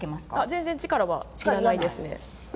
全然、力はいらないですね。